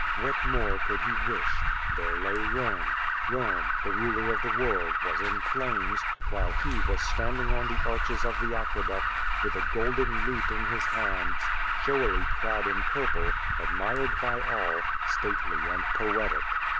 What more could he wish? There lay Rome. Rome the ruler of the world was in flames, whilst he was standing on the arches of the aqueduct, with a golden lute in his hands, showily clad in purple, admired by all, stately and poetic.